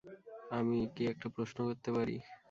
আমি কি একটা প্রশ্ন করতে পারি?